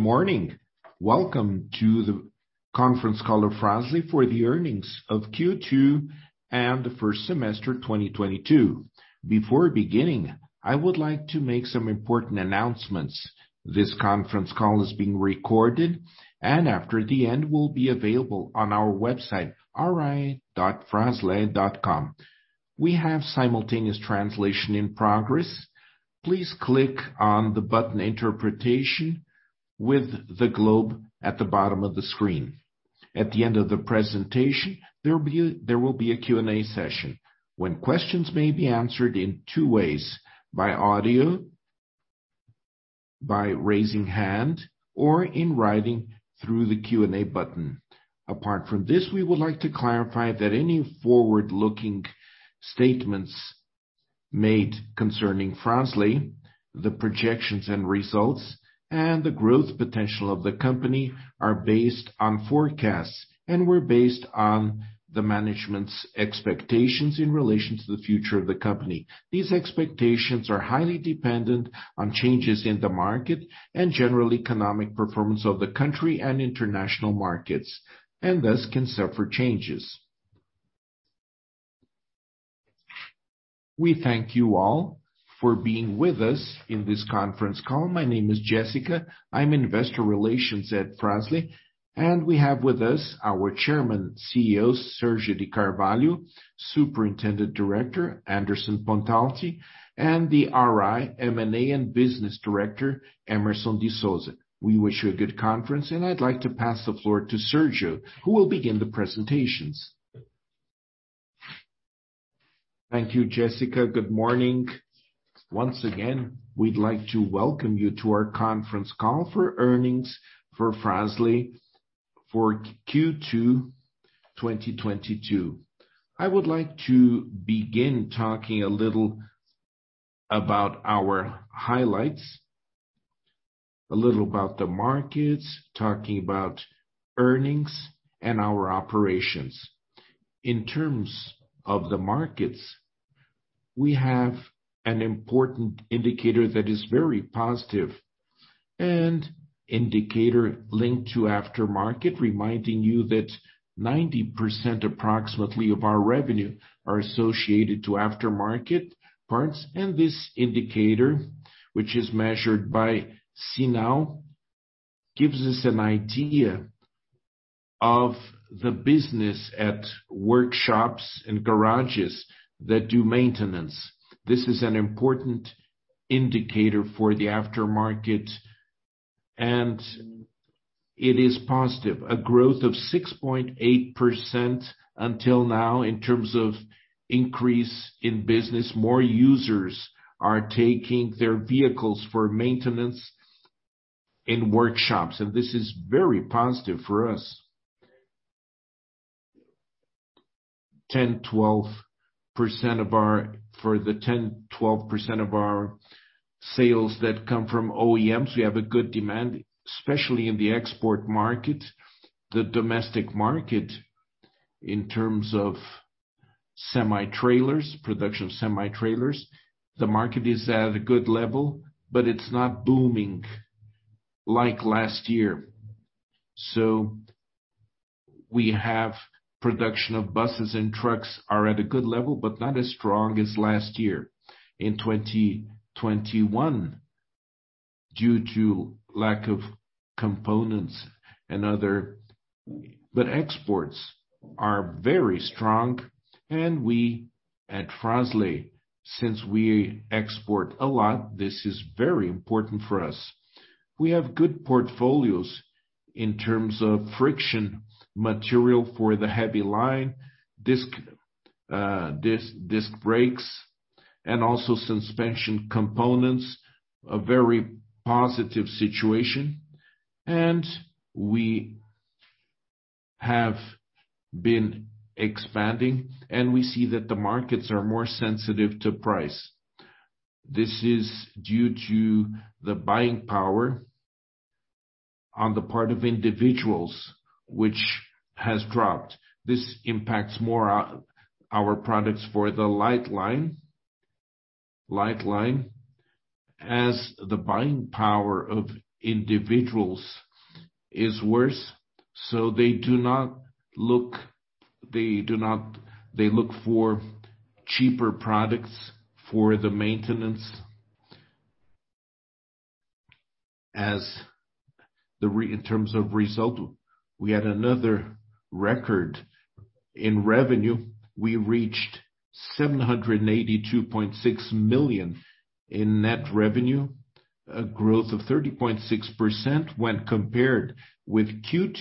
Good morning. Welcome to the conference call of Fras-le for the earnings of Q2 and the first semester 2022. Before beginning, I would like to make some important announcements. This conference call is being recorded, and after the end, will be available on our website, ri.fraslemobility.com. We have simultaneous translation in progress. Please click on the button Interpretation with the globe at the bottom of the screen. At the end of the presentation, there will be a Q&A session when questions may be answered in two ways, by audio, by raising hand, or in writing through the Q&A button. Apart from this, we would like to clarify that any forward-looking statements made concerning Fras-le, the projections and results, and the growth potential of the company are based on forecasts and were based on the management's expectations in relation to the future of the company. These expectations are highly dependent on changes in the market and general economic performance of the country and international markets, and thus can suffer changes. We thank you all for being with us in this conference call. My name is Jessica. I'm Investor Relations at Fras-le. We have with us our Chairman CEO, Sérgio de Carvalho, Superintendent Director, Anderson Pontalti, and the RI, M&A, and Business Director, Hemerson de Souza. We wish you a good conference, and I'd like to pass the floor to Sérgio, who will begin the presentations. Thank you, Jessica. Good morning. Once again, we'd like to welcome you to our conference call for earnings for Fras-le for Q2 2022. I would like to begin talking a little about our highlights, a little about the markets, talking about earnings and our operations. In terms of the markets, we have an important indicator that is very positive, an indicator linked to aftermarket, reminding you that approximately 90% of our revenue are associated to aftermarket parts. This indicator, which is measured by CINAU, gives us an idea of the business at workshops and garages that do maintenance. This is an important indicator for the aftermarket, and it is positive. A growth of 6.8% until now in terms of increase in business. More users are taking their vehicles for maintenance in workshops, and this is very positive for us. For the 10%-12% of our sales that come from OEMs, we have a good demand, especially in the export market. The domestic market in terms of semi-trailers, production of semi-trailers, the market is at a good level, but it's not booming like last year. We have production of buses and trucks are at a good level, but not as strong as last year. In 2021, due to lack of components and other. Exports are very strong. We at Fras-le, since we export a lot, this is very important for us. We have good portfolios in terms of friction material for the heavy line disc brakes, and also suspension components, a very positive situation. We have been expanding, and we see that the markets are more sensitive to price. This is due to the buying power on the part of individuals which has dropped. This impacts more our products for the light line, as the buying power of individuals is worse, so they look for cheaper products for the maintenance. In terms of result, we had another record in revenue. We reached 782.6 million in net revenue, a growth of 30.6% when compared with Q2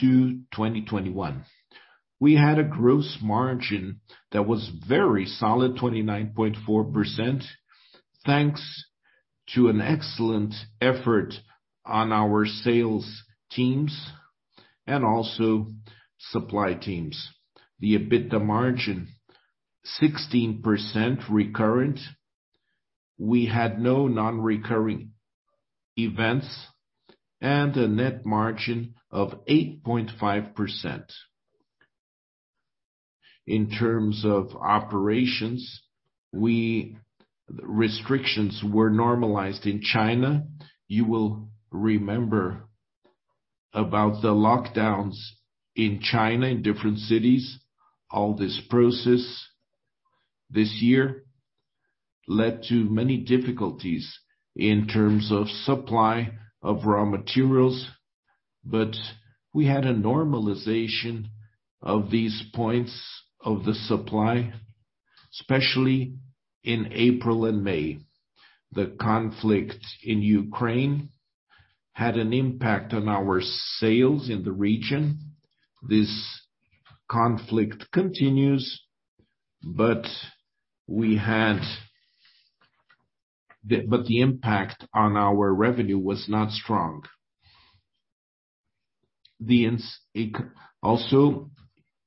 2021. We had a gross margin that was very solid, 29.4%, thanks to an excellent effort on our sales teams and also supply teams. The EBITDA margin, 16% recurrent. We had no non-recurring events and a net margin of 8.5%. In terms of operations, restrictions were normalized in China. You will remember about the lockdowns in China in different cities. All this process this year led to many difficulties in terms of supply of raw materials, but we had a normalization of these points of the supply, especially in April and May. The conflict in Ukraine had an impact on our sales in the region. This conflict continues, but the impact on our revenue was not strong. Also,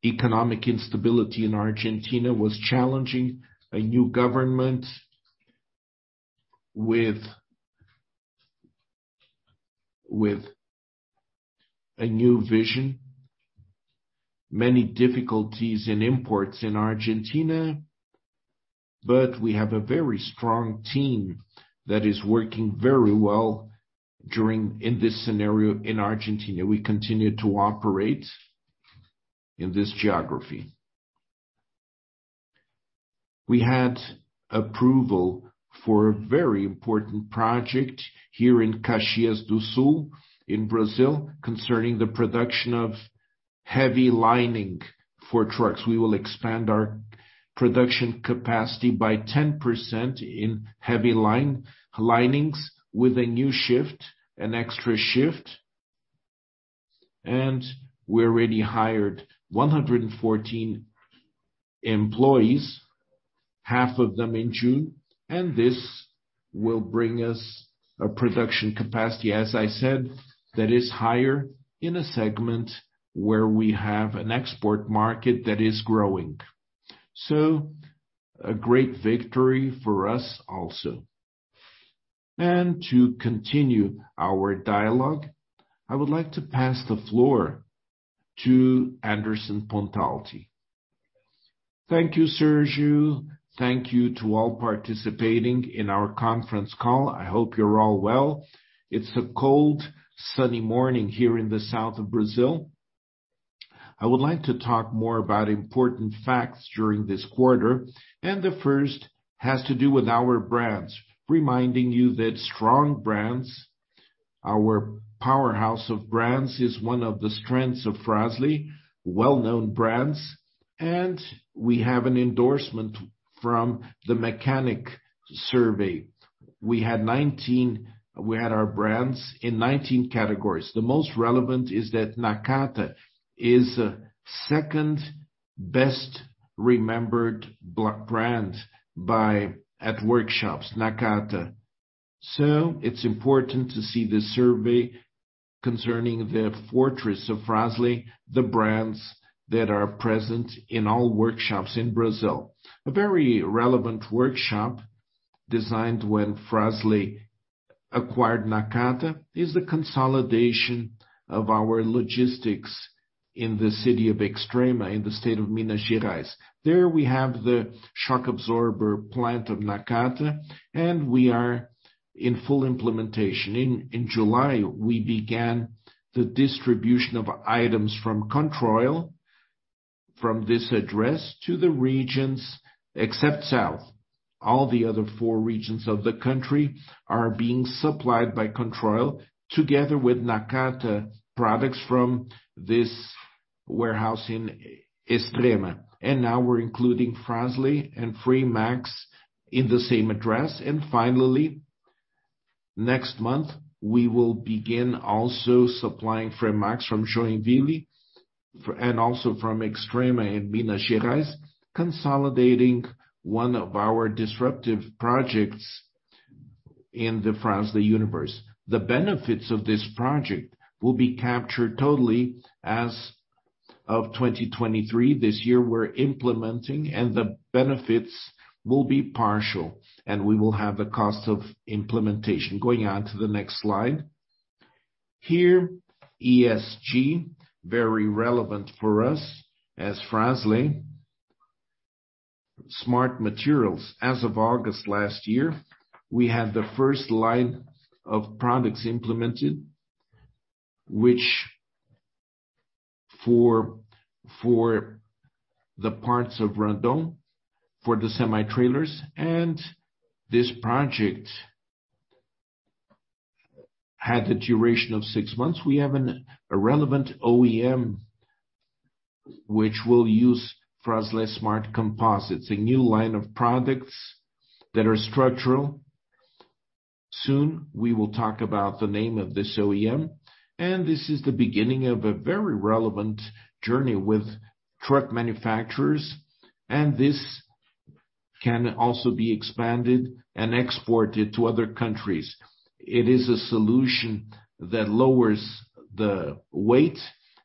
economic instability in Argentina was challenging, a new government with a new vision. Many difficulties in imports in Argentina, but we have a very strong team that is working very well in this scenario in Argentina, we continue to operate in this geography. We had approval for a very important project here in Caxias do Sul, in Brazil, concerning the production of heavy lining for trucks. We will expand our production capacity by 10% in heavy linings with a new shift, an extra shift, and we already hired 114 employees, half of them in June, and this will bring us a production capacity, as I said, that is higher in a segment where we have an export market that is growing. A great victory for us also. To continue our dialogue, I would like to pass the floor to Anderson Pontalti. Thank you, Sérgio. Thank you to all participating in our conference call. I hope you're all well. It's a cold, sunny morning here in the south of Brazil. I would like to talk more about important facts during this quarter, and the first has to do with our brands. Reminding you that strong brands, our powerhouse of brands, is one of the strengths of Fras-le, well-known brands, and we have an endorsement from the mechanic survey. We had our brands in 19 categories. The most relevant is that Nakata is second best remembered brand at workshops, Nakata. It's important to see the survey concerning the fortress of Fras-le, the brands that are present in all workshops in Brazil. A very relevant workshop designed when Fras-le acquired Nakata is the consolidation of our logistics in the city of Extrema, in the state of Minas Gerais. There we have the shock absorber plant of Nakata, and we are in full implementation. In July, we began the distribution of items from Controil from this address to the regions, except south. All the other four regions of the country are being supplied by Controil together with Nakata products from this warehouse in Extrema. Now we're including Fras-le and Fremax in the same address. Finally, next month, we will begin also supplying Fremax from Joinville and also from Extrema in Minas Gerais, consolidating one of our disruptive projects in the Fras-le universe. The benefits of this project will be captured totally as of 2023. This year we're implementing and the benefits will be partial, and we will have the cost of implementation. Going on to the next slide. Here, ESG, very relevant for us as Fras-le. Smart materials. As of August last year, we had the first line of products implemented, which for the parts of Randon, for the semi-trailers, and this project had a duration of six months. We have a relevant OEM which will use Fras-le Smart Composites, a new line of products that are structural. Soon we will talk about the name of this OEM, and this is the beginning of a very relevant journey with truck manufacturers, and this can also be expanded and exported to other countries. It is a solution that lowers the weight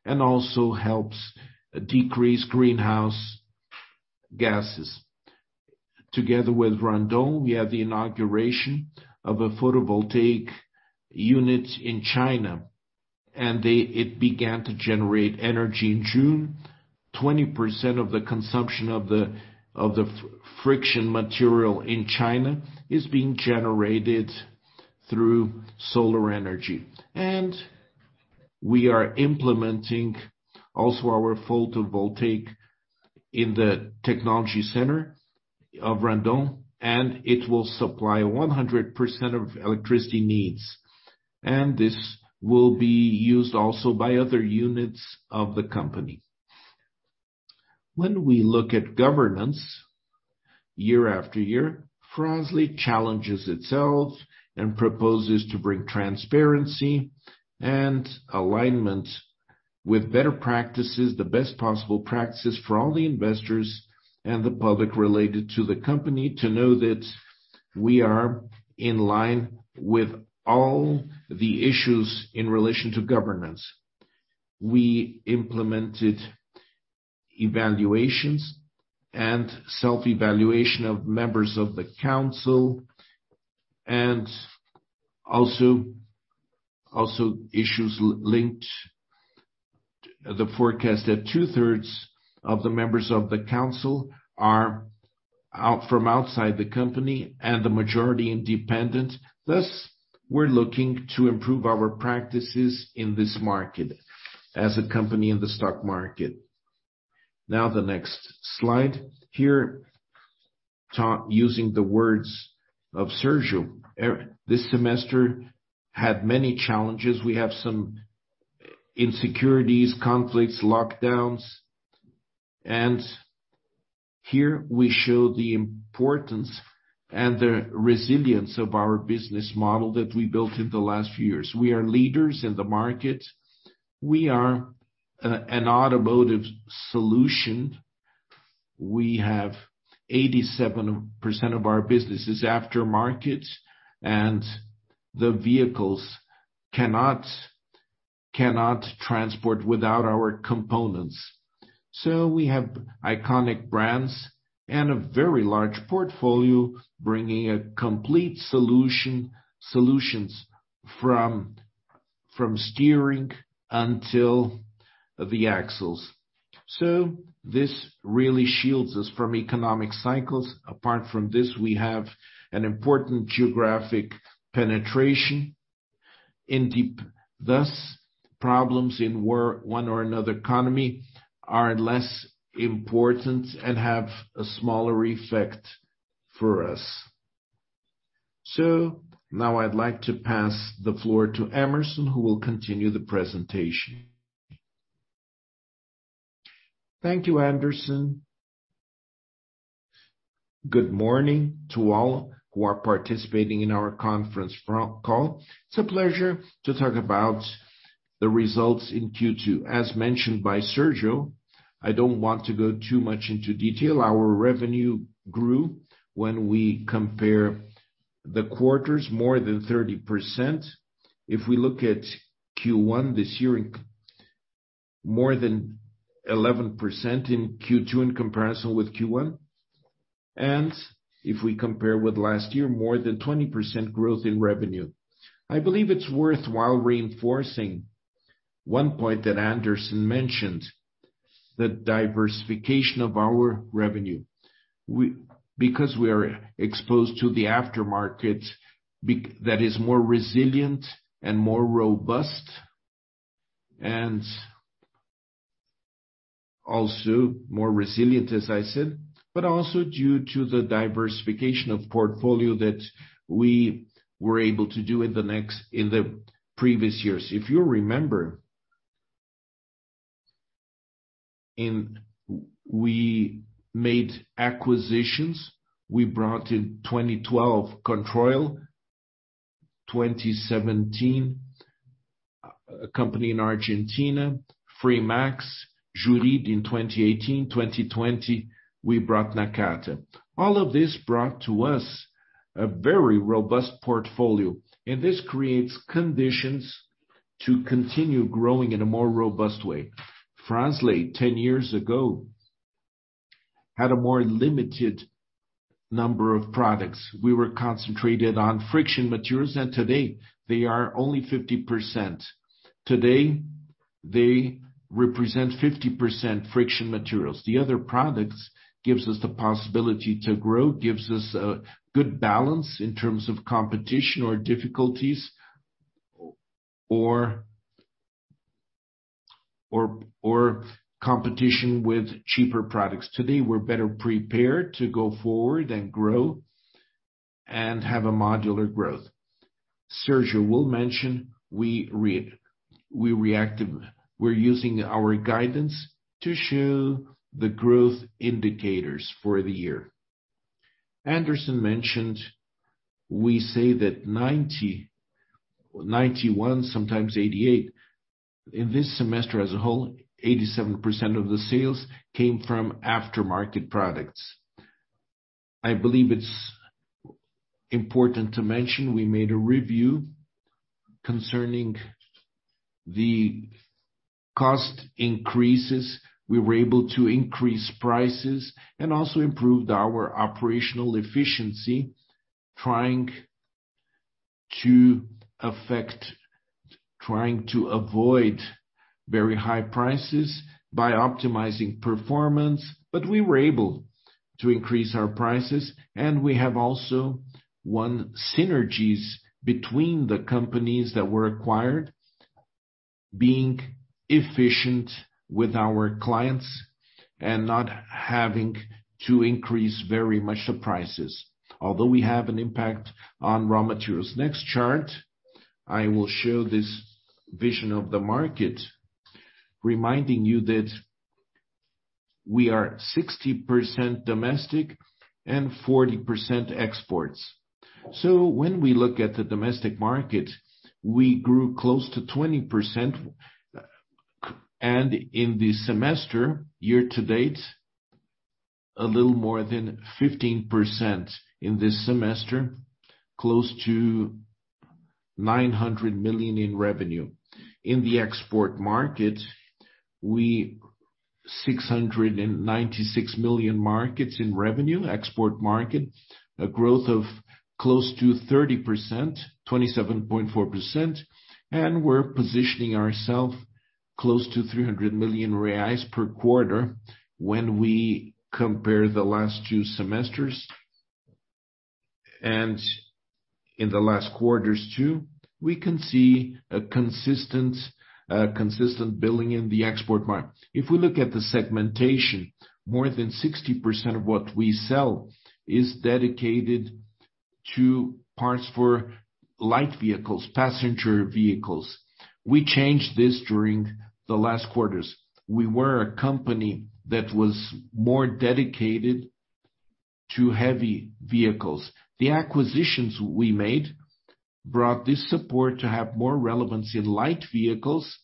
and also helps decrease greenhouse gases. Together with Randon, we had the inauguration of a photovoltaic unit in China, and it began to generate energy in June. 20% of the consumption of the friction material in China is being generated through solar energy. We are implementing also our photovoltaic in the technology center of Randon, and it will supply 100% of electricity needs. This will be used also by other units of the company. When we look at governance year-after-year, Fras-le challenges itself and proposes to bring transparency and alignment with better practices, the best possible practices for all the investors and the public related to the company to know that we are in line with all the issues in relation to governance. We implemented evaluations and self-evaluation of members of the council and also issues linked. The forecast that 2/3 of the members of the council are from outside the company and the majority independent, thus we're looking to improve our practices in this market as a company in the stock market. Now, the next slide. Here, using the words of Sérgio. This semester had many challenges. We have some insecurities, conflicts, lockdowns. Here we show the importance and the resilience of our business model that we built in the last few years. We are leaders in the market. We are an automotive solution. We have 87% of our businesses aftermarket, and the vehicles cannot transport without our components. So we have iconic brands and a very large portfolio bringing a complete solution from steering to the axles. This really shields us from economic cycles. Apart from this, we have an important geographic penetration in depth, thus problems in one or another economy are less important and have a smaller effect for us. Now I'd like to pass the floor to Hemerson, who will continue the presentation. Thank you, Anderson. Good morning to all who are participating in our conference call. It's a pleasure to talk about the results in Q2. As mentioned by Sérgio, I don't want to go too much into detail. Our revenue grew when we compare the quarters more than 30%. If we look at Q1 this year, more than 11% in Q2 in comparison with Q1. If we compare with last year, more than 20% growth in revenue. I believe it's worthwhile reinforcing one point that Anderson mentioned, the diversification of our revenue. Because we are exposed to the aftermarket that is more resilient and more robust and also more resilient, as I said, but also due to the diversification of portfolio that we were able to do in the previous years. If you remember, we made acquisitions. We brought in 2012, Controil, 2017, a company in Argentina, Fremax, Jurid in 2018. 2020, we brought Nakata. All of this brought to us a very robust portfolio, and this creates conditions to continue growing in a more robust way. Fras-le, 10 years ago, had a more limited number of products. We were concentrated on friction materials, and today they are only 50%. Today, they represent 50% friction materials. The other products gives us the possibility to grow, gives us a good balance in terms of competition or difficulties or competition with cheaper products. Today, we're better prepared to go forward and grow and have a modular growth. Sérgio will mention we're using our guidance to show the growth indicators for the year. Anderson mentioned we say that 90%, 91%, sometimes 88%. In this semester as a whole, 87% of the sales came from aftermarket products. I believe it's important to mention, we made a review concerning the cost increases. We were able to increase prices and also improved our operational efficiency, trying to avoid very high prices by optimizing performance. We were able to increase our prices, and we have also gained synergies between the companies that were acquired, being efficient with our clients and not having to increase very much the prices, although we have an impact on raw materials. Next chart, I will show this vision of the market, reminding you that we are 60% domestic and 40% exports. When we look at the domestic market, we grew close to 20%. In the semester year to date, a little more than 15% in this semester, close to 900 million in revenue. In the export market, 696 million in revenue, a growth of close to 30%, 27.4%, and we're positioning ourselves close to 300 million reais per quarter when we compare the last two semesters. In the last quarters too, we can see a consistent billing in the export market. If we look at the segmentation, more than 60% of what we sell is dedicated to parts for light vehicles, passenger vehicles. We changed this during the last quarters. We were a company that was more dedicated to heavy vehicles. The acquisitions we made brought this support to have more relevance in light vehicles.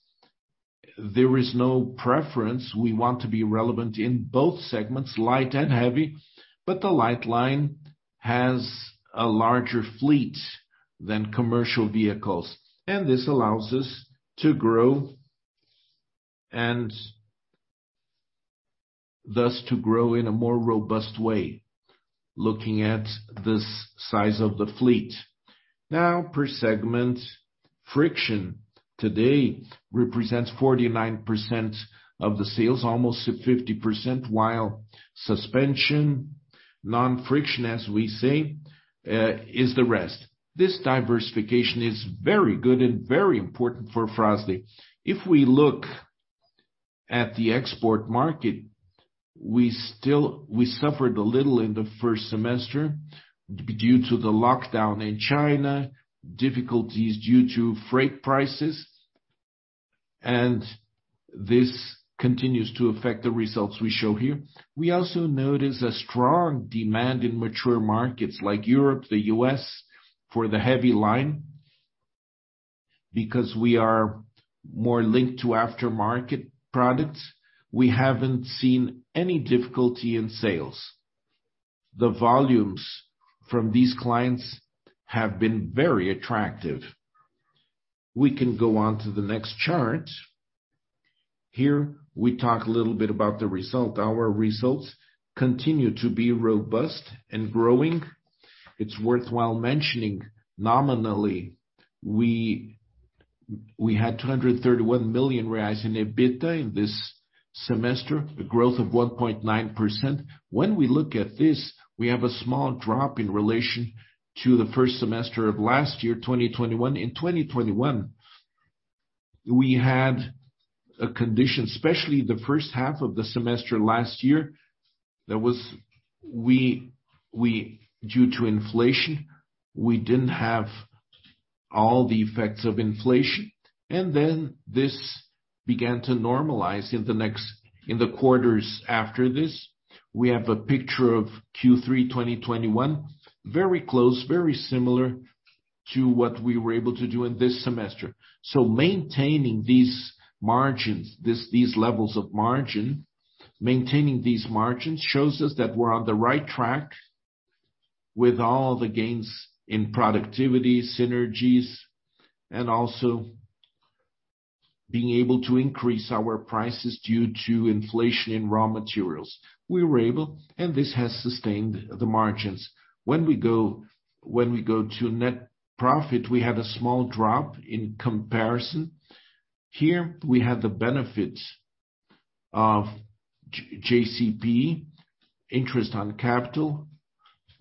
There is no preference. We want to be relevant in both segments, light and heavy, but the light line has a larger fleet than commercial vehicles, and this allows us to grow and thus to grow in a more robust way, looking at this size of the fleet. Now, per segment, friction today represents 49% of the sales, almost to 50%, while suspension, non-friction, as we say, is the rest. This diversification is very good and very important for Fras-le. If we look at the export market, we still suffered a little in the first semester due to the lockdown in China, difficulties due to freight prices, and this continues to affect the results we show here. We also notice a strong demand in mature markets like Europe, the U.S., for the heavy line. Because we are more linked to aftermarket products, we haven't seen any difficulty in sales. The volumes from these clients have been very attractive. We can go on to the next chart. Here we talk a little bit about the result. Our results continue to be robust and growing. It's worthwhile mentioning nominally, we had 231 million reais in EBITDA in this semester, a growth of 1.9%. When we look at this, we have a small drop in relation to the first semester of last year, 2021. In 2021, we had a condition, especially the first half of the semester last year. Due to inflation, we didn't have all the effects of inflation. This began to normalize in the quarters after this. We have a picture of Q3 2021, very close, very similar to what we were able to do in this semester. Maintaining these margins, these levels of margin, maintaining these margins shows us that we're on the right track with all the gains in productivity, synergies, and also being able to increase our prices due to inflation in raw materials. We were able, and this has sustained the margins. When we go to net profit, we have a small drop in comparison. Here we have the benefit of JCP interest on capital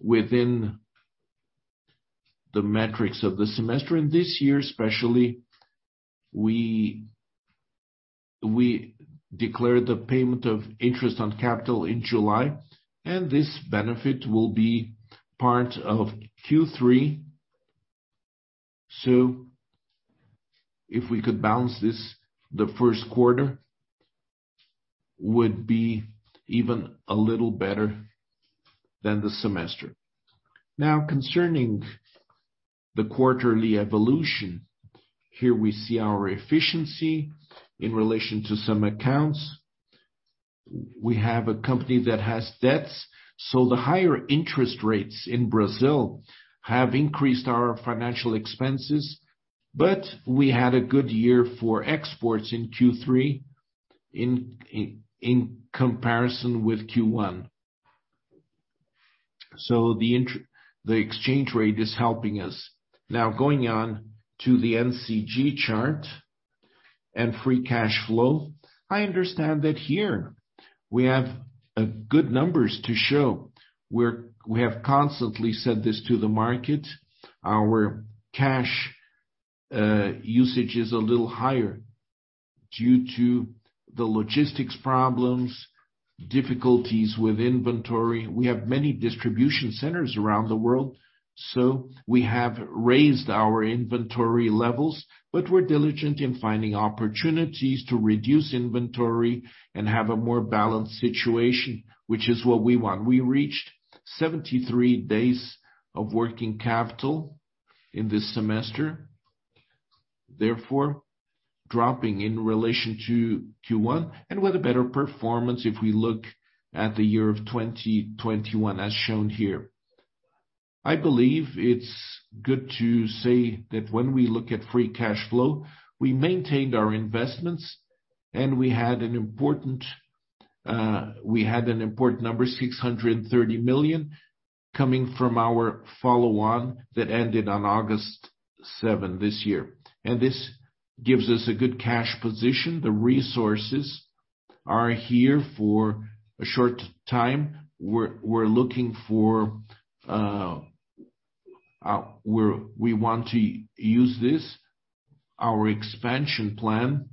within the metrics of the semester. This year especially, we declared the payment of interest on capital in July, and this benefit will be part of Q3. If we could balance this, the first quarter would be even a little better than the semester. Now concerning the quarterly evolution, here we see our efficiency in relation to some accounts. We have a company that has debts, so the higher interest rates in Brazil have increased our financial expenses, but we had a good year for exports in Q3 in comparison with Q1. The exchange rate is helping us. Now, going on to the NCG chart and free cash flow. I understand that here we have good numbers to show. We have constantly said this to the market, our cash usage is a little higher due to the logistics problems, difficulties with inventory. We have many distribution centers around the world, so we have raised our inventory levels, but we're diligent in finding opportunities to reduce inventory and have a more balanced situation, which is what we want. We reached 73 days of working capital in this semester, therefore dropping in relation to Q1 and with a better performance if we look at the year of 2021 as shown here. I believe it's good to say that when we look at free cash flow, we maintained our investments and we had an important number, 630 million, coming from our follow-on that ended on August 7 this year. This gives us a good cash position. The resources are here for a short time. We want to use this. Our expansion plan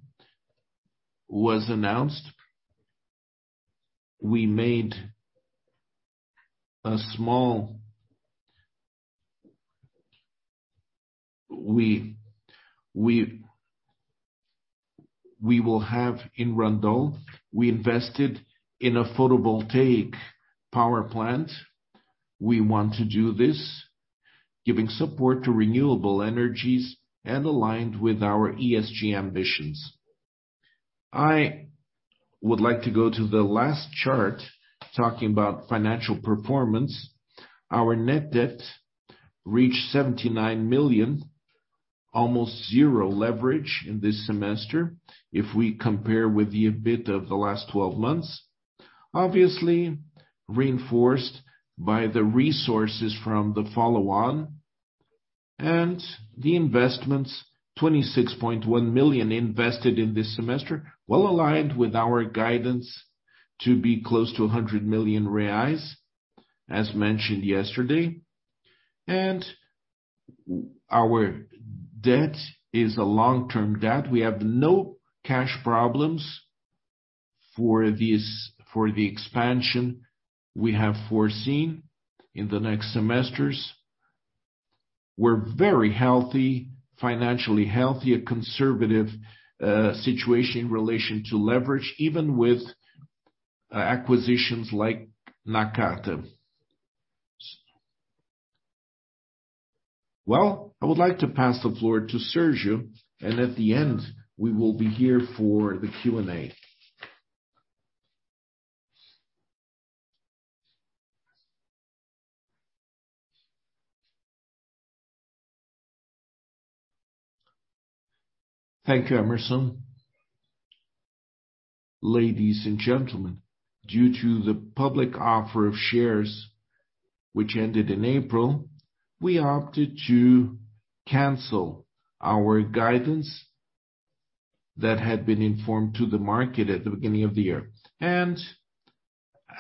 was announced. We will have in Randon, we invested in a photovoltaic power plant. We want to do this giving support to renewable energies and aligned with our ESG ambitions. I would like to go to the last chart talking about financial performance. Our net debt reached 79 million, almost zero leverage in this semester if we compare with the EBIT of the last twelve months. Obviously reinforced by the resources from the follow-on and the investments, 26.1 million invested in this semester, well-aligned with our guidance to be close to 100 million reais, as mentioned yesterday. Our debt is a long-term debt. We have no cash problems for this, for the expansion we have foreseen in the next semesters. We're very healthy, financially healthy, a conservative situation in relation to leverage, even with acquisitions like Nakata. Well, I would like to pass the floor to Sérgio, and at the end, we will be here for the Q&A. Thank you, Hemerson. Ladies and gentlemen, due to the public offer of shares which ended in April, we opted to cancel our guidance that had been informed to the market at the beginning of the year.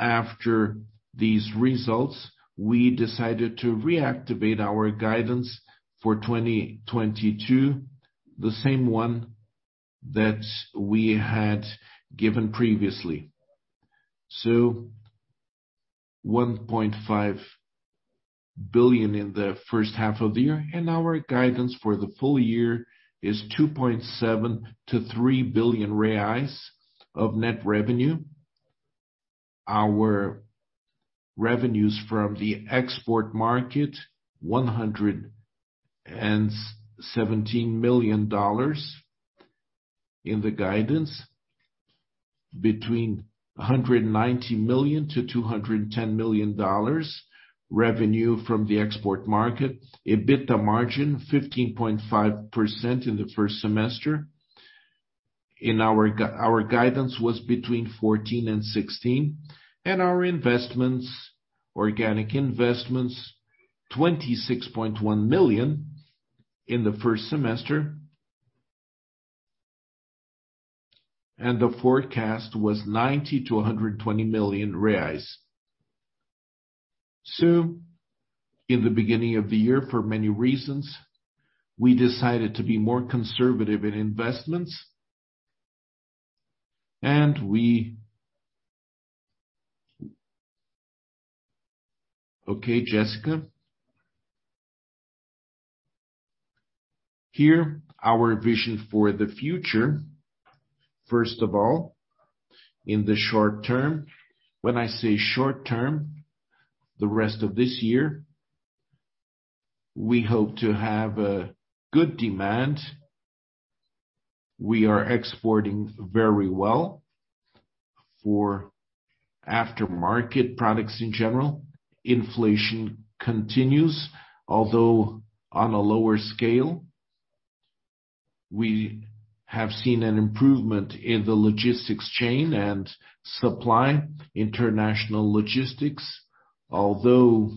After these results, we decided to reactivate our guidance for 2022, the same one that we had given previously. 1.5 Billion in the first half of the year, and our guidance for the full year is 2.7 billion-3 billion reais of net revenue. Our revenues from the export market, $117 million in the guidance between $190 million-$210 million revenue from the export market. EBITDA margin 15.5% in the first semester. In our guidance was between 14%-16%. Our investments, organic investments, 26.1 million in the first semester. The forecast was BRL 90 million-BRL 120 million. In the beginning of the year, for many reasons, we decided to be more conservative in investments. Okay, Jessica. Here, our vision for the future. First of all, in the short term, when I say short term, the rest of this year. We hope to have a good demand. We are exporting very well for aftermarket products in general. Inflation continues, although on a lower scale. We have seen an improvement in the logistics chain and supply, international logistics, although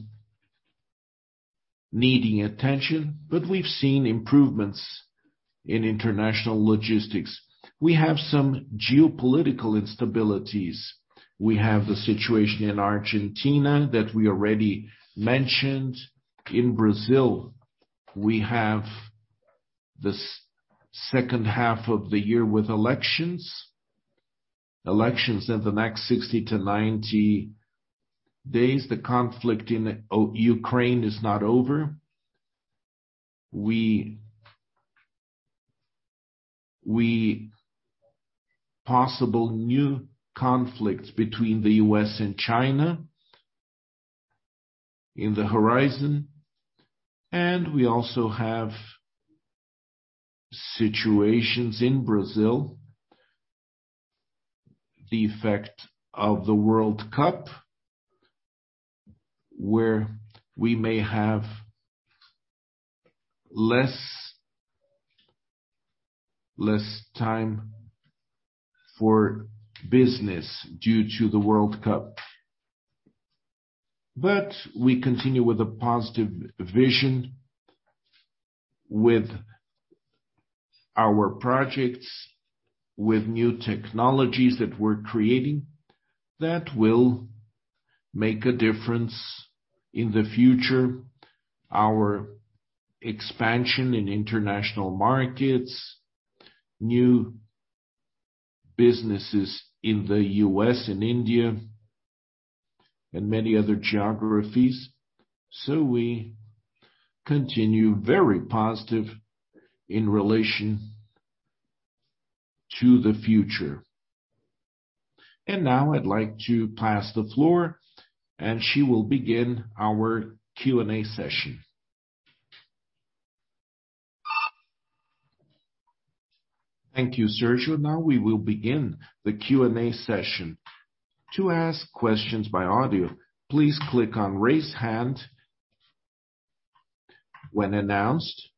needing attention, but we've seen improvements in international logistics. We have some geopolitical instabilities. We have the situation in Argentina that we already mentioned. In Brazil, we have the second half of the year with elections in the next 60-90 days. The conflict in Ukraine is not over. Possible new conflicts between the U.S. and China on the horizon, and we also have situations in Brazil, the effect of the World Cup, where we may have less time for business due to the World Cup. We continue with a positive vision with our projects, with new technologies that we're creating that will make a difference in the future, our expansion in international markets, new businesses in the U.S. And India, and many other geographies. We continue very positive in relation to the future. Now I'd like to pass the floor, and she will begin our Q&A session. Thank you, Sérgio. Now we will begin the Q&A session. To ask questions by audio, please click on Raise Hand. When announced,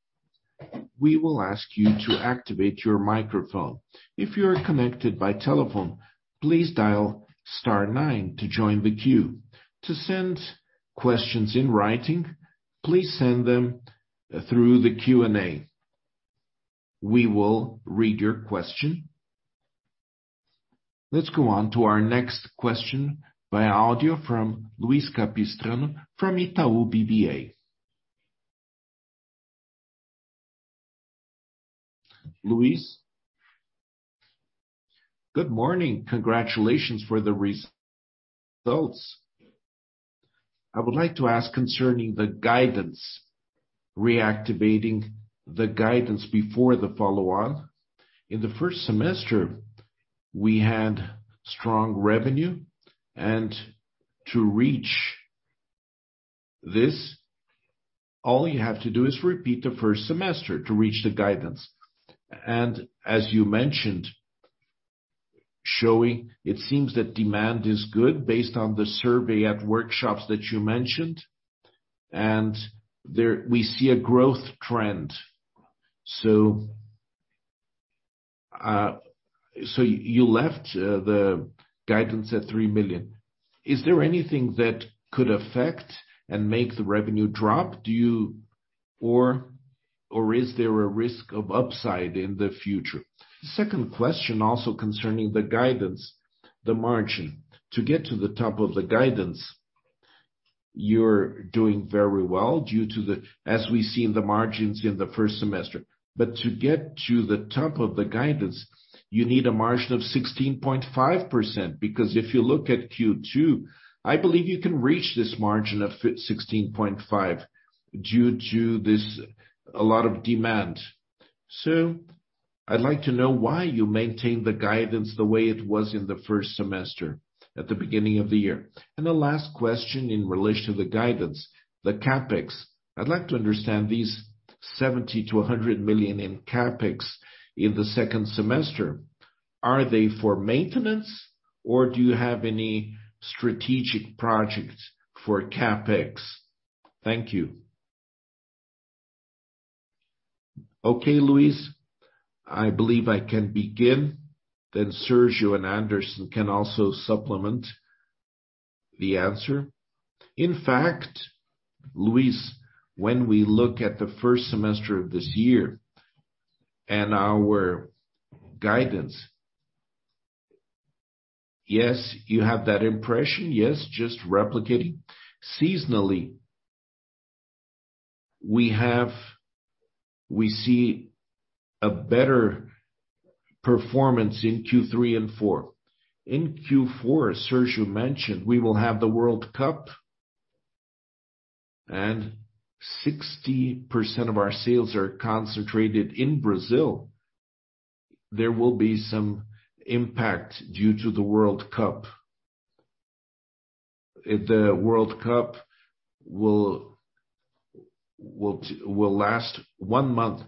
we will ask you to activate your microphone. If you are connected by telephone, please dial star nine to join the queue. To send questions in writing, please send them through the Q&A. We will read your question. Let's go on to our next question by audio from Luiz Capistrano from Itaú BBA. Luís? Good morning. Congratulations for the results. I would like to ask concerning the guidance, reactivating the guidance before the follow-on. In the first semester, we had strong revenue, and to reach this, all you have to do is repeat the first semester to reach the guidance. As you mentioned, showing it seems that demand is good based on the survey at workshops that you mentioned. There we see a growth trend. You left the guidance at 3 million. Is there anything that could affect and make the revenue drop? Or is there a risk of upside in the future? Second question also concerning the guidance, the margin. To get to the top of the guidance, you are doing very well due to as we see in the margins in the first semester. To get to the top of the guidance, you need a margin of 16.5%, because if you look at Q2, I believe you can reach this margin of 16.5% due to this, a lot of demand. I'd like to know why you maintain the guidance the way it was in the first semester at the beginning of the year. The last question in relation to the guidance, the CapEx. I'd like to understand these 70 million-100 million in CapEx in the second semester. Are they for maintenance, or do you have any strategic projects for CapEx? Thank you. Okay, Luiz. I believe I can begin, then Sérgio and Anderson can also supplement the answer. In fact, Luiz, when we look at the first semester of this year and our guidance, yes, you have that impression. Yes, just replicating. Seasonally, we see a better performance in Q3 and Q4. In Q4, Sérgio mentioned, we will have the World Cup, and 60% of our sales are concentrated in Brazil. There will be some impact due to the World Cup. The World Cup will last one month,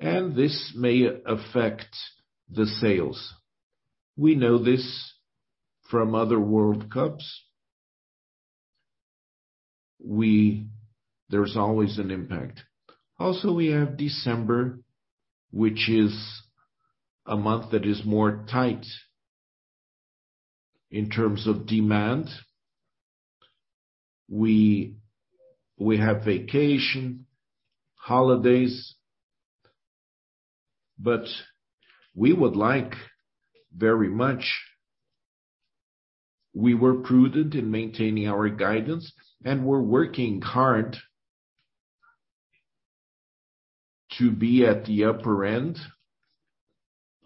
and this may affect the sales. We know this from other World Cups. There's always an impact. Also we have December, which is a month that is more tight in terms of demand. We have vacation, holidays. We would like very much. We were prudent in maintaining our guidance, and we're working hard to be at the upper end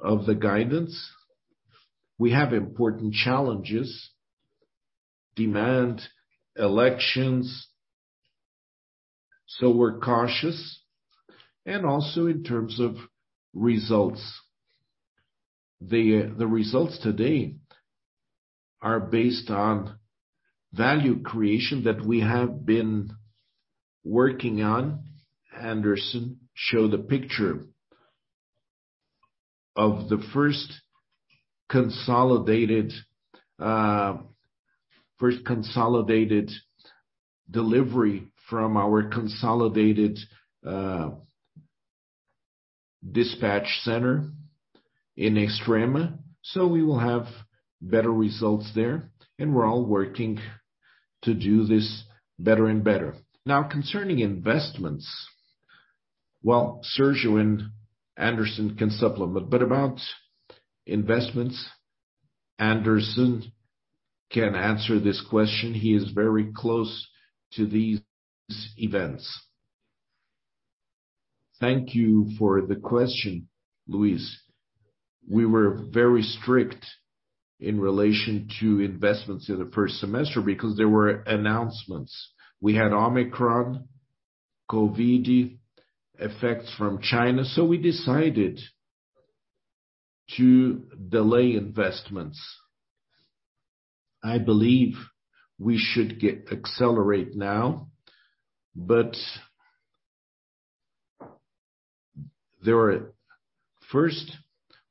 of the guidance. We have important challenges, demand, elections, so we're cautious. Also in terms of results. The results today are based on value creation that we have been working on. Anderson, show the picture of the first consolidated delivery from our consolidated dispatch center in Extrema. We will have better results there, and we're all working to do this better and better. Now, concerning investments, well, Sérgio and Anderson can supplement. About investments, Anderson can answer this question. He is very close to these events. Thank you for the question, Luiz. We were very strict in relation to investments in the first semester because there were uncertainties. We had Omicron, COVID, effects from China, so we decided to delay investments. I believe we should accelerate now, but there are; first,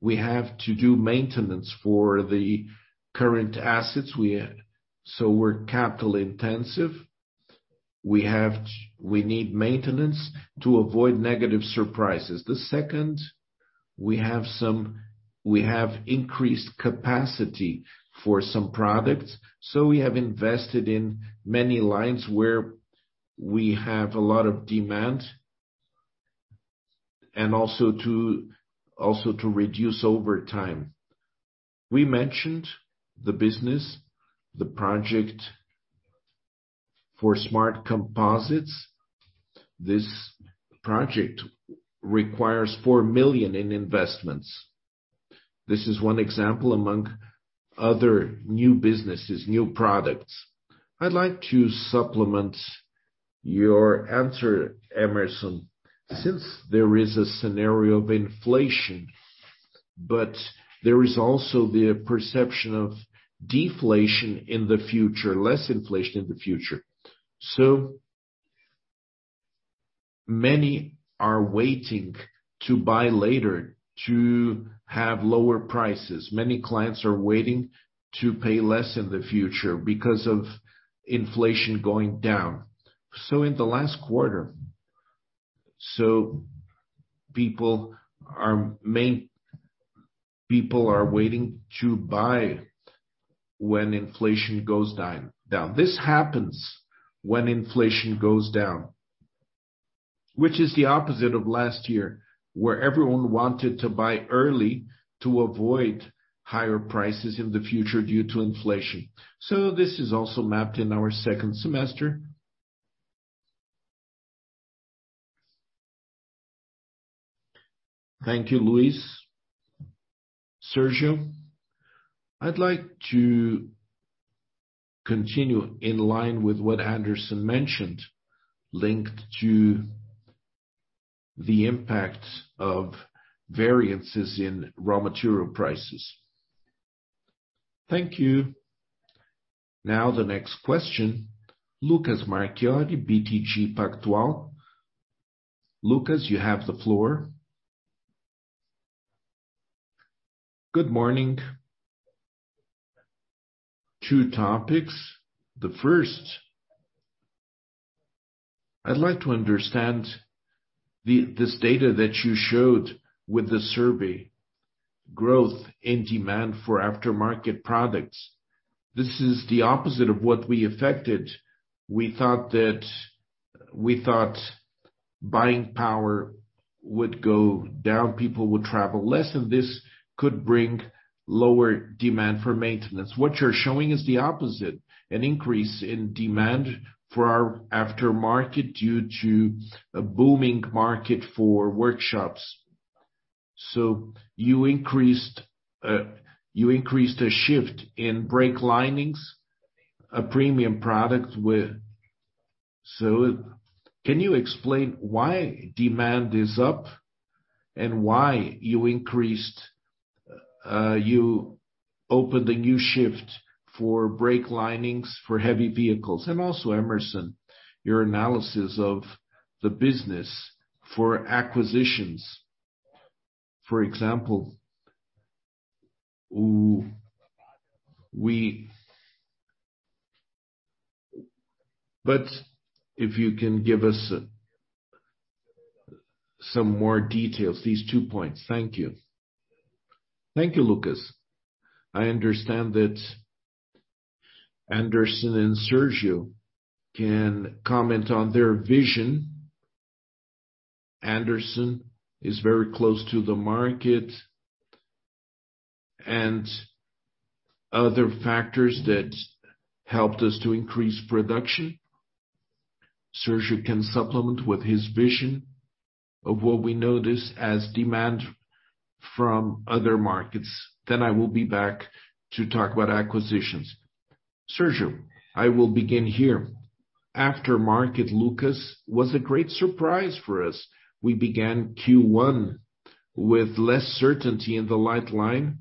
we have to do maintenance for the current assets we have, so we're capital intensive. We need maintenance to avoid negative surprises. The second, we have increased capacity for some products, so we have invested in many lines where we have a lot of demand and also to reduce over time. We mentioned the business, the project for Smart Composites. This project requires 4 million in investments. This is one example among other new businesses, new products. I'd like to supplement your answer, Hemerson. Since there is a scenario of inflation, but there is also the perception of deflation in the future, less inflation in the future. Many are waiting to buy later to have lower prices. Many clients are waiting to pay less in the future because of inflation going down. People are waiting to buy when inflation goes down. This happens when inflation goes down, which is the opposite of last year, where everyone wanted to buy early to avoid higher prices in the future due to inflation. This is also mapped in our second semester. Thank you, Luiz. Sérgio, I'd like to continue in line with what Anderson mentioned, linked to the impact of variances in raw material prices. Thank you. Now the next question, Lucas Marquiori, BTG Pactual. Lucas, you have the floor. Good morning. Two topics. The first, I'd like to understand this data that you showed with the survey, growth in demand for aftermarket products. This is the opposite of what we expected. We thought buying power would go down, people would travel less, and this could bring lower demand for maintenance. What you're showing is the opposite, an increase in demand for our aftermarket due to a booming market for workshops. You increased a shift in brake linings, a premium product. Can you explain why demand is up and why you opened a new shift for brake linings for heavy vehicles? Also, Hemerson, your analysis of the business for acquisitions, for example. If you can give us some more details, these two points. Thank you. Thank you, Lucas. I understand that Anderson and Sérgio can comment on their vision. Anderson is very close to the market and other factors that helped us to increase production. Sérgio can supplement with his vision of what we know this as demand from other markets. I will be back to talk about acquisitions. Sérgio, I will begin here. Aftermarket, Lucas, was a great surprise for us. We began Q1 with less certainty in the light line,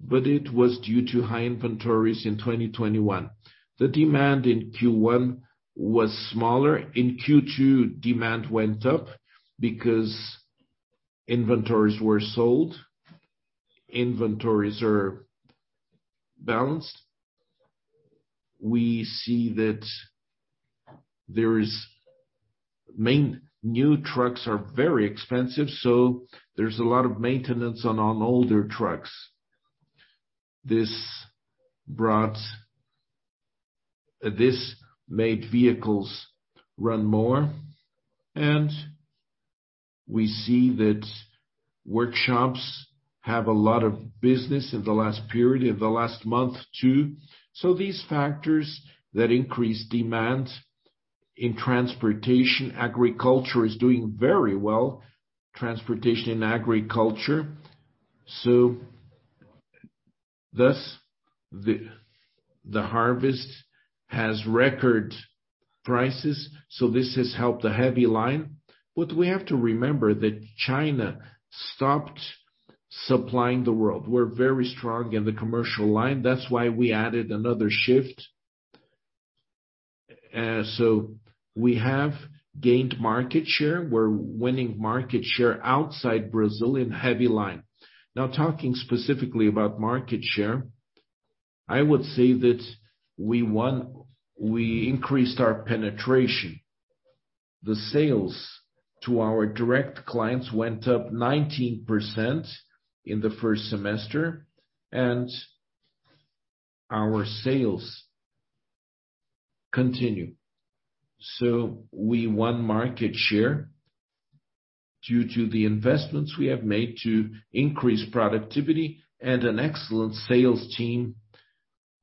but it was due to high inventories in 2021. The demand in Q1 was smaller. In Q2, demand went up because inventories were sold. Inventories are balanced. We see that new trucks are very expensive, so there's a lot of maintenance on older trucks. This made vehicles run more, and we see that workshops have a lot of business in the last period, in the last month too. These factors that increase demand in transportation, agriculture is doing very well, transportation and agriculture. Thus, the harvest has record prices, so this has helped the heavy line. We have to remember that China stopped supplying the world. We're very strong in the commercial line. That's why we added another shift. We have gained market share. We're winning market share outside Brazil in heavy line. Now, talking specifically about market share, I would say that we increased our penetration. The sales to our direct clients went up 19% in the first semester, and our sales continue. We won market share due to the investments we have made to increase productivity and an excellent sales team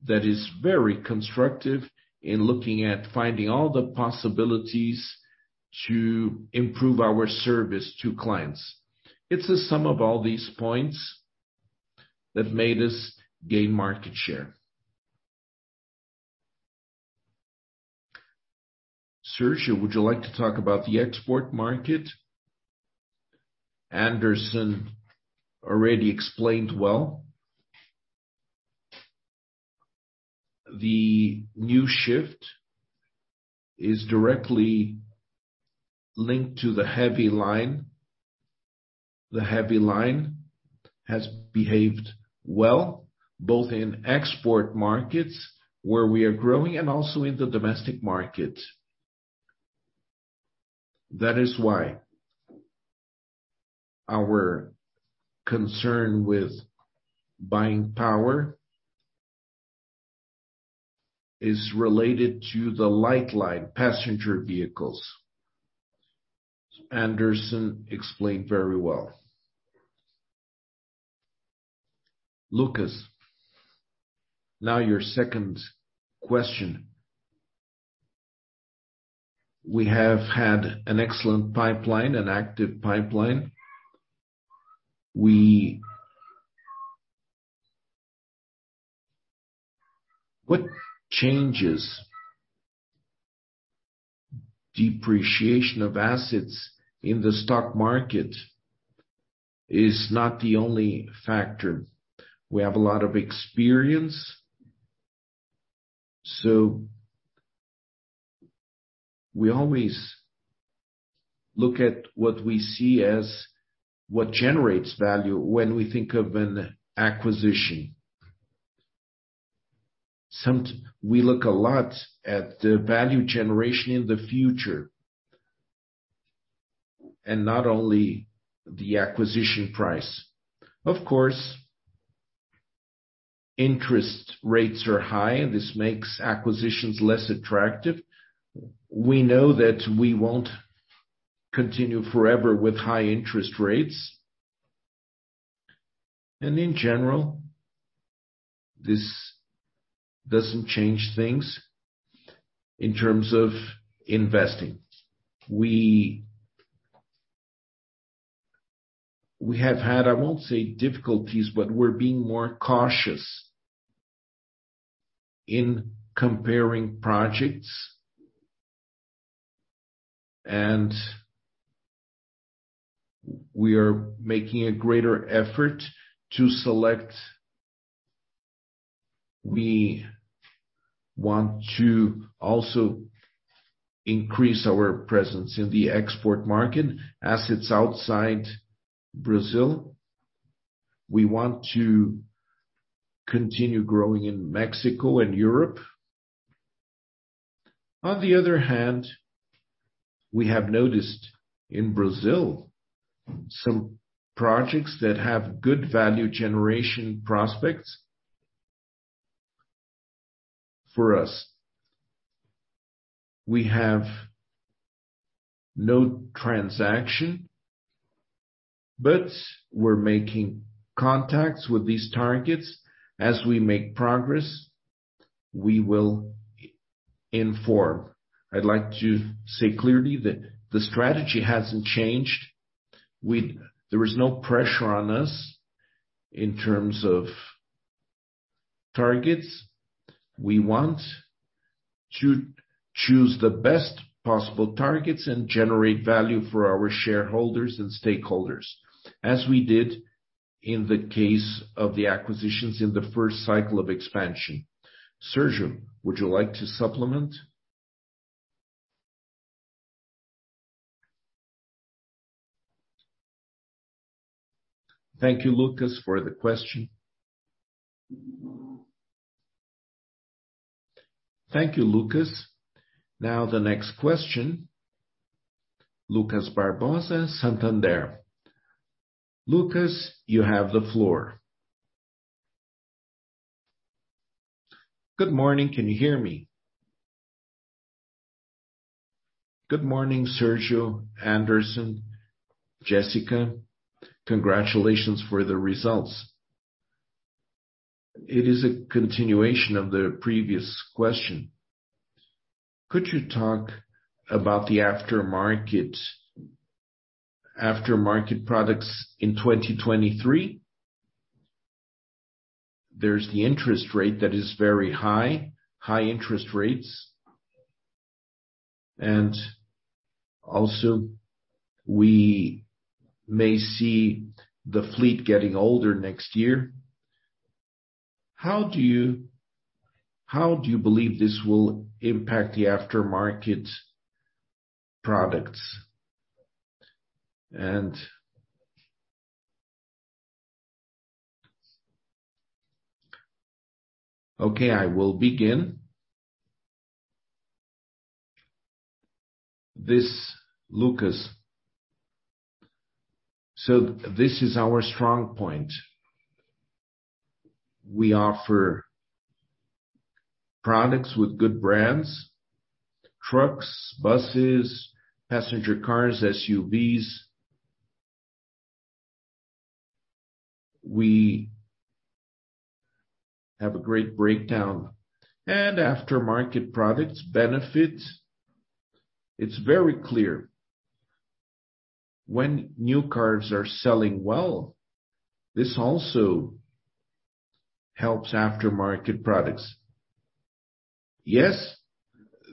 that is very constructive in looking at finding all the possibilities to improve our service to clients. It's a sum of all these points that made us gain market share. Sérgio, would you like to talk about the export market? Anderson already explained well. The new shift is directly linked to the heavy line. The heavy line has behaved well, both in export markets where we are growing and also in the domestic market. That is why our concern with buying power is related to the light line, passenger vehicles. Anderson explained very well. Lucas, now your second question. We have had an excellent pipeline, an active pipeline. We What changes depreciation of assets in the stock market is not the only factor. We have a lot of experience, so we always look at what we see as what generates value when we think of an acquisition. We look a lot at the value generation in the future and not only the acquisition price. Of course, interest rates are high, and this makes acquisitions less attractive. We know that we won't continue forever with high interest rates. In general, this doesn't change things in terms of investing. We have had, I won't say difficulties, but we're being more cautious in comparing projects. We are making a greater effort to select. We want to also increase our presence in the export market, assets outside Brazil. We want to continue growing in Mexico and Europe. On the other hand, we have noticed in Brazil some projects that have good value generation prospects for us. We have no transaction, but we're making contacts with these targets. As we make progress, we will inform. I'd like to say clearly that the strategy hasn't changed. There is no pressure on us in terms of targets. We want to choose the best possible targets and generate value for our shareholders and stakeholders, as we did in the case of the acquisitions in the first cycle of expansion. Sérgio, would you like to supplement? Thank you, Lucas, for the question. Thank you, Lucas. Now the next question, Lucas Barbosa, Santander. Lucas, you have the floor. Good morning. Can you hear me? Good morning, Sérgio, Anderson, Jessica. Congratulations for the results. It is a continuation of the previous question. Could you talk about the aftermarket products in 2023? There's the interest rate that is very high, high interest rates, and also we may see the fleet getting older next year. How do you believe this will impact the aftermarket products? Okay, I will begin. This, Lucas. So this is our strong point. We offer products with good brands, trucks, buses, passenger cars, SUVs. We have a great breakdown. Aftermarket products benefits, it's very clear. When new cars are selling well, this also helps aftermarket products. Yes,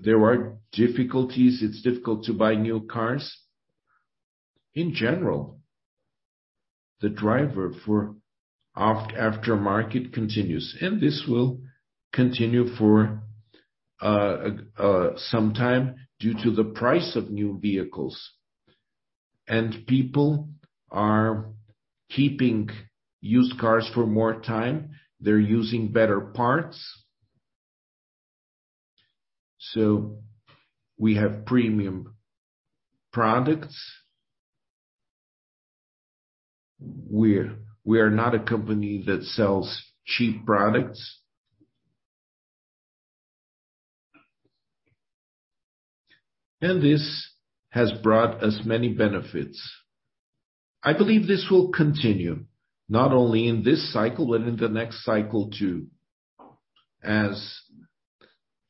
there are difficulties. It's difficult to buy new cars. In general, the driver for aftermarket continues, and this will continue for some time due to the price of new vehicles. People are keeping used cars for more time. They're using better parts. We have premium products. We are not a company that sells cheap products. This has brought us many benefits. I believe this will continue not only in this cycle, but in the next cycle too, as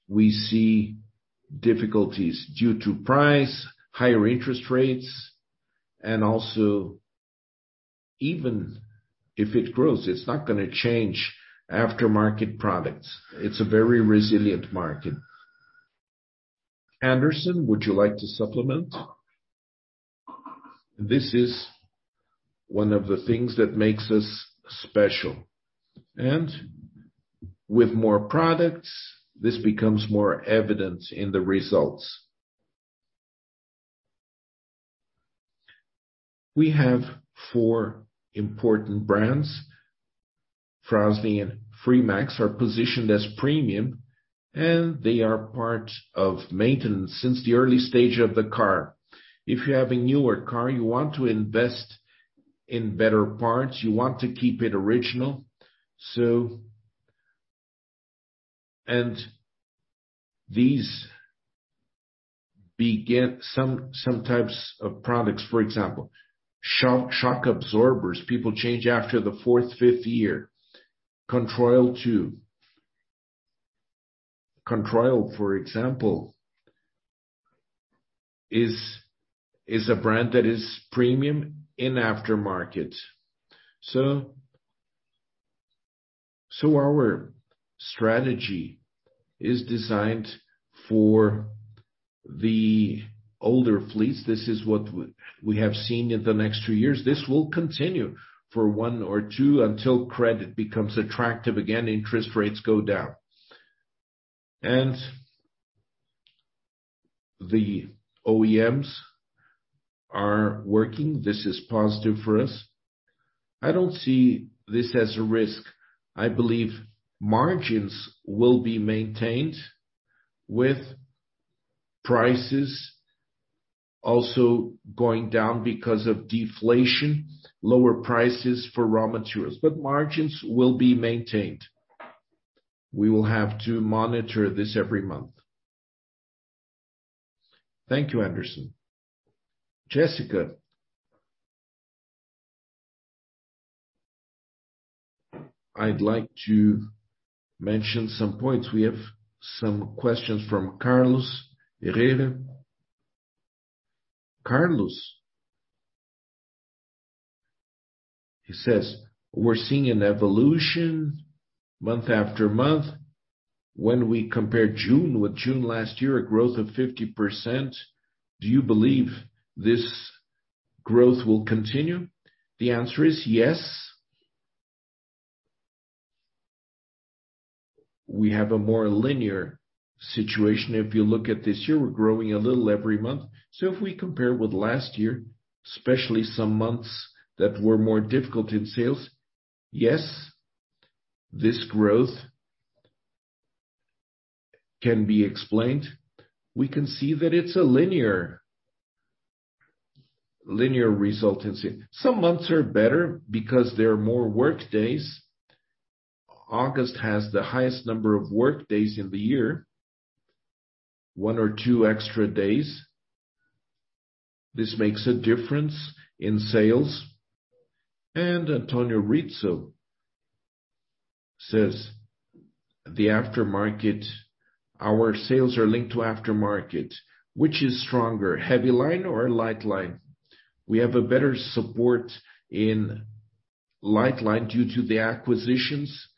we see difficulties due to price, higher interest rates, and also even if it grows, it's not gonna change aftermarket products. It's a very resilient market. Anderson, would you like to supplement? This is one of the things that makes us special. With more products, this becomes more evident in the results. We have four important brands. Fras-le and Fremax are positioned as premium, and they are part of maintenance since the early stage of the car. If you have a newer car, you want to invest in better parts, you want to keep it original. These begin some types of products, for example, shock absorbers, people change after the fourth, fifth year. Controil, for example, is a brand that is premium in aftermarket. Our strategy is designed for the older fleets. This is what we have seen in the next two years. This will continue for one or two until credit becomes attractive again, interest rates go down. The OEMs are working. This is positive for us. I don't see this as a risk. I believe margins will be maintained with prices also going down because of deflation, lower prices for raw materials, but margins will be maintained. We will have to monitor this every month. Thank you, Anderson. Jessica, I'd like to mention some points. We have some questions from Carlos Herrera. Carlos. He says, "We're seeing an evolution month after month. When we compare June with June last year, a growth of 50%. Do you believe this growth will continue?" The answer is yes. We have a more linear situation. If you look at this year, we're growing a little every month. If we compare with last year, especially some months that were more difficult in sales, yes, this growth can be explained. We can see that it's a linear resiliency. Some months are better because there are more work days. August has the highest number of work days in the year, one or two extra days. This makes a difference in sales. Antonio Rizzo says, "The aftermarket. Our sales are linked to aftermarket, which is stronger, heavy line or light line?" We have a better support in light line due to the acquisitions.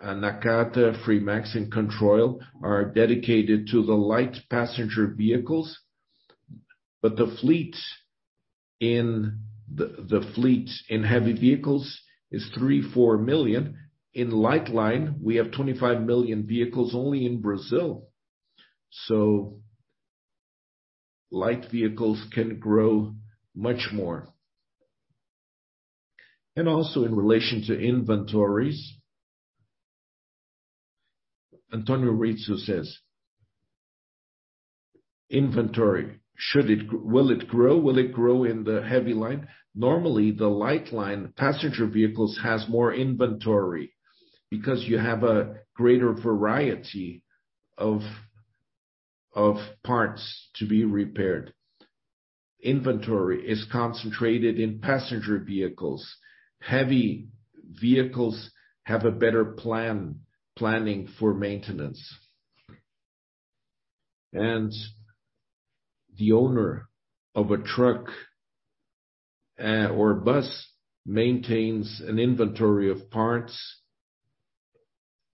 Nakata, Fremax, and Controil are dedicated to the light passenger vehicles. The fleet in heavy vehicles is 3 million-4 million. In light line, we have 25 million vehicles only in Brazil. Light vehicles can grow much more. Also in relation to inventories, Antonio Rizzo says, "Inventory, should it grow? Will it grow in the heavy line?" Normally, the light line, passenger vehicles, has more inventory because you have a greater variety of parts to be repaired. Inventory is concentrated in passenger vehicles. Heavy vehicles have a better planning for maintenance. The owner of a truck or a bus maintains an inventory of parts,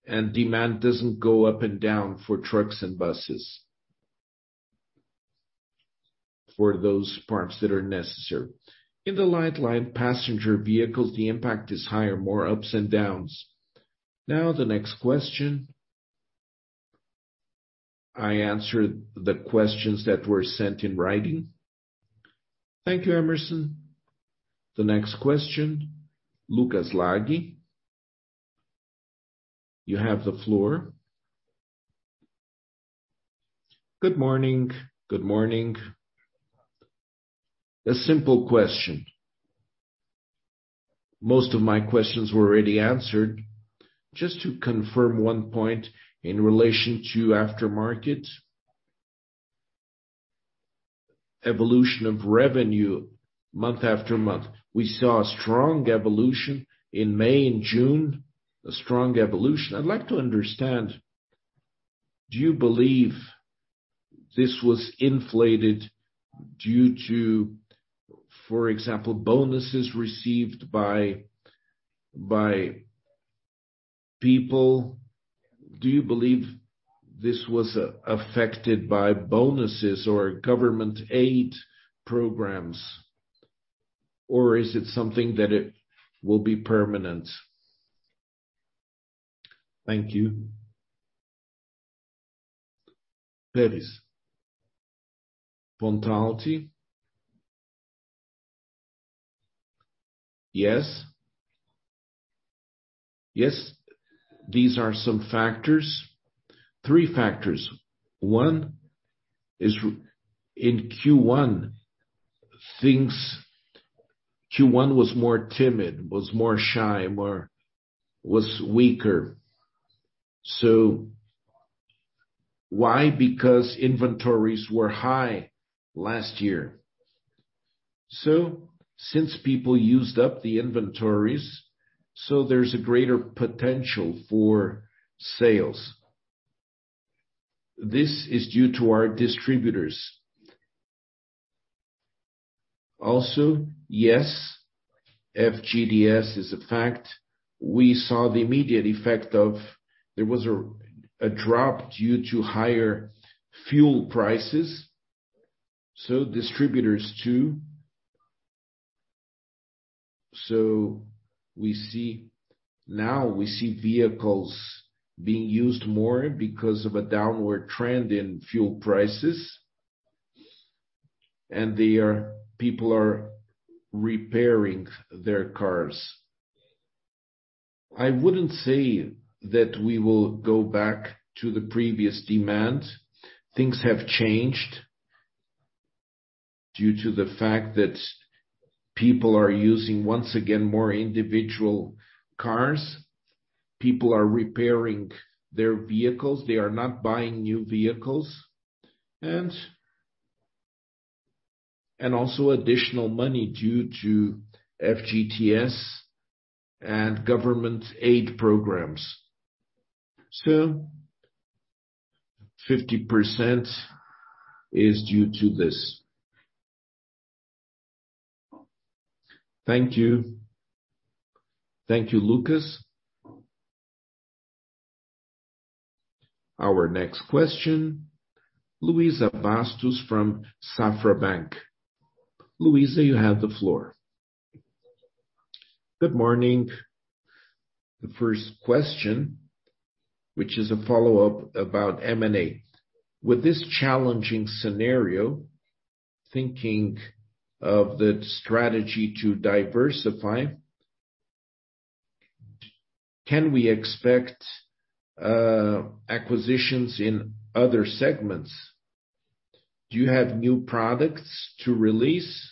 and demand doesn't go up and down for trucks and buses for those parts that are necessary. In the light line, passenger vehicles, the impact is higher, more ups and downs. Now the next question. I answered the questions that were sent in writing. Thank you, Hemerson. The next question, Lucas Laghi. You have the floor. Good morning. A simple question. Most of my questions were already answered. Just to confirm one point in relation to aftermarket evolution of revenue month after month. We saw a strong evolution in May and June, a strong evolution. I'd like to understand, do you believe this was inflated due to, for example, bonuses received by people? Do you believe this was affected by bonuses or government aid programs? Or is it something that will be permanent? Thank you. Anderson Pontalti. Yes. Yes, these are some factors, three factors. One is in Q1. Q1 was more timid, more shy, weaker. Why? Because inventories were high last year. Since people used up the inventories, there's a greater potential for sales. This is due to our distributors. Also, yes, FGTS is a fact. We saw the immediate effect. There was a drop due to higher fuel prices, so distributors too. Now we see vehicles being used more because of a downward trend in fuel prices, and people are repairing their cars. I wouldn't say that we will go back to the previous demand. Things have changed due to the fact that people are using, once again, more individual cars. People are repairing their vehicles. They are not buying new vehicles and also additional money due to FGTS and government aid programs. 50% is due to this. Thank you. Thank you, Lucas. Our next question, Luiza Bastos from Safra Bank. Luísa, you have the floor. Good morning. The first question, which is a follow-up about M&A. With this challenging scenario, thinking of the strategy to diversify, can we expect acquisitions in other segments? Do you have new products to release?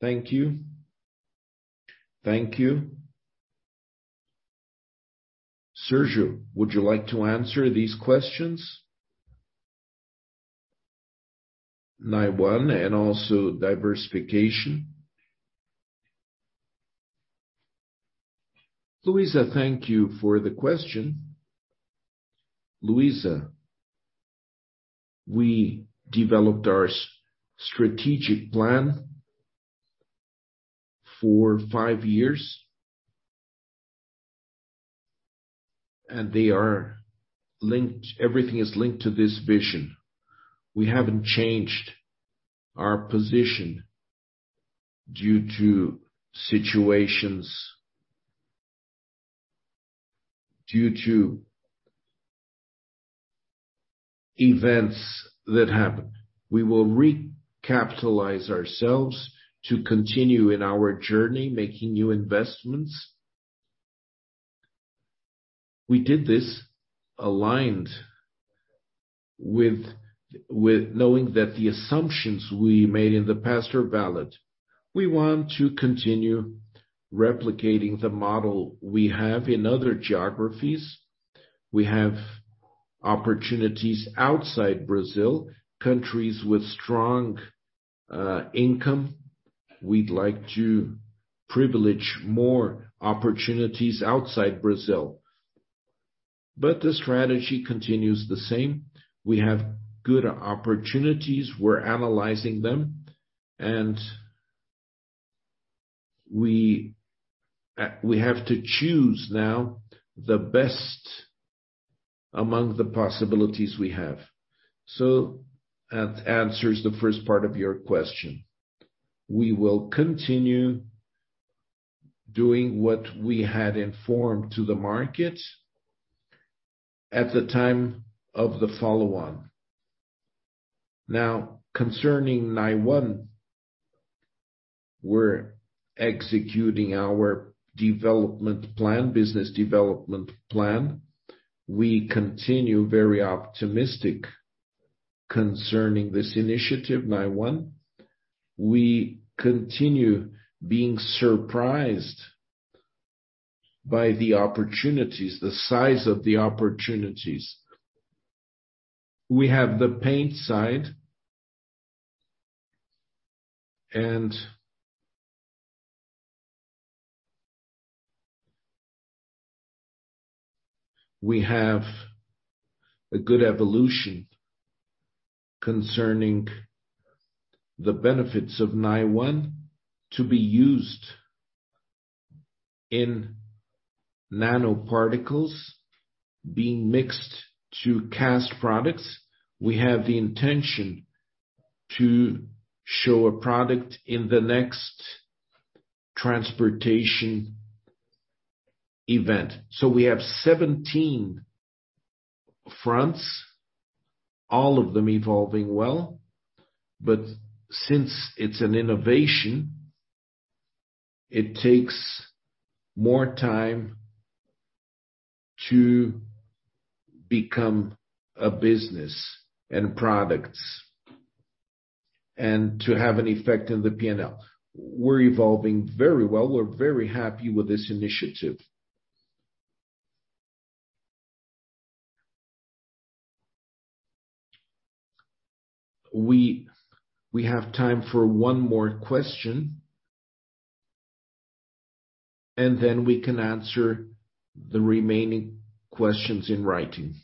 Thank you. Thank you. Sérgio, would you like to answer these questions? NIONE and also diversification. Luiza, thank you for the question. Luiza, we developed our strategic plan for five years, and they are linked, everything is linked to this vision. We haven't changed our position due to situations, due to events that happened. We will recapitalize ourselves to continue in our journey, making new investments. We did this aligned with knowing that the assumptions we made in the past are valid. We want to continue replicating the model we have in other geographies. We have opportunities outside Brazil, countries with strong income. We'd like to privilege more opportunities outside Brazil. But the strategy continues the same. We have good opportunities. We're analyzing them, and we have to choose now the best among the possibilities we have. That answers the first part of your question. We will continue doing what we had informed to the market at the time of the follow-on. Now, concerning NIONE, we're executing our development plan, business development plan. We continue very optimistic concerning this initiative, NIONE. We continue being surprised by the opportunities, the size of the opportunities. We have the paint side and we have a good evolution concerning the benefits of NIONE to be used in nanoparticles being mixed to cast products. We have the intention to show a product in the next transportation event. We have 17 fronts, all of them evolving well. Since it's an innovation, it takes more time to become a business and products and to have an effect in the P&L. We're evolving very well. We're very happy with this initiative. We have time for one more question. Then we can answer the remaining questions in writing.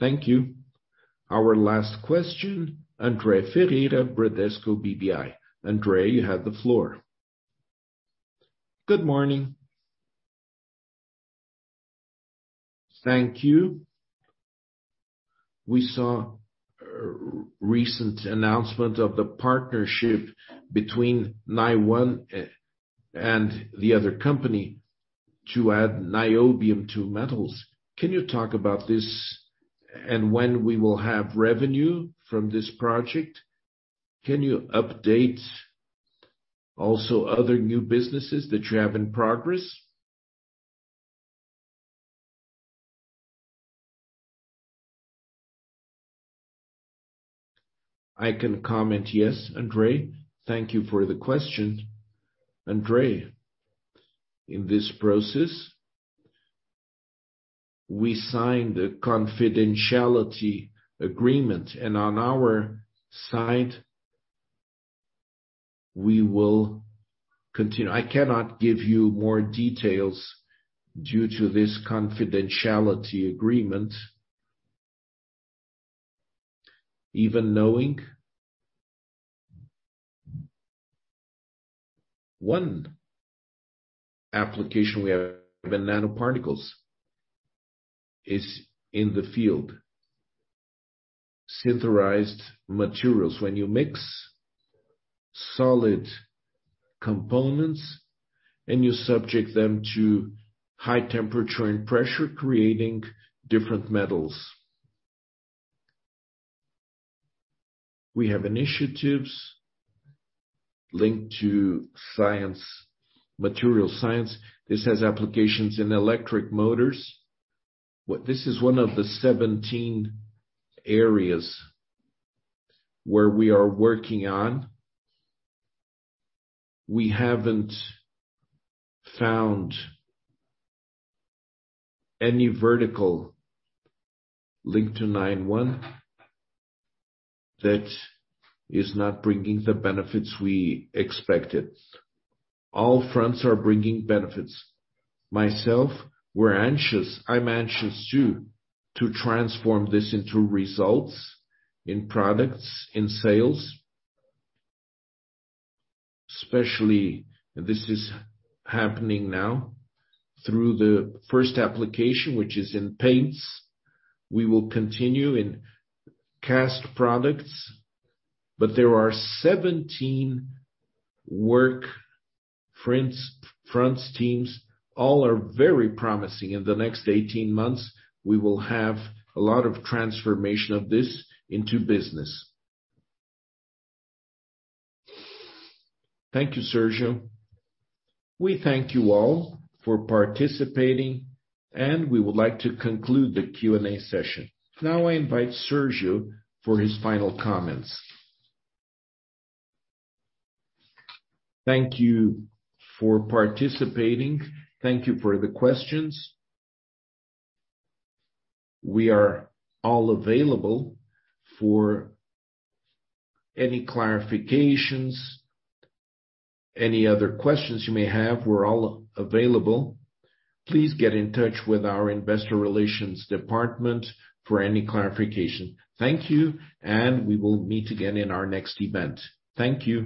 Thank you. Our last question, André Ferreira, Bradesco BBI. André, you have the floor. Good morning. Thank you. We saw a recent announcement of the partnership between NIONE and the other company to add niobium to metals. Can you talk about this and when we will have revenue from this project? Can you update also other new businesses that you have in progress? I can comment, yes, André. Thank you for the question. André, in this process, we signed a confidentiality agreement, and on our side we will continue. I cannot give you more details due to this confidentiality agreement. Even knowing one application we have in nanoparticles is in the field, synthesized materials. When you mix solid components, and you subject them to high temperature and pressure, creating different metals. We have initiatives linked to science, material science. This has applications in electric motors. This is one of the 17 areas where we are working on. We haven't found any vertical link to NIONE that is not bringing the benefits we expected. All fronts are bringing benefits. Myself, we're anxious. I'm anxious too, to transform this into results in products, in sales. Especially this is happening now through the first application, which is in paints. We will continue in cast products. There are 17 work fronts teams, all are very promising. In the next 18 months, we will have a lot of transformation of this into business. Thank you, Sérgio. We thank you all for participating, and we would like to conclude the Q&A session. Now I invite Sérgio for his final comments. Thank you for participating. Thank you for the questions. We are all available for any clarifications, any other questions you may have. We're all available. Please get in touch with our investor relations department for any clarification. Thank you, and we will meet again in our next event. Thank you.